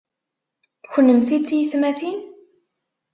Kennemti d tiyemmatin?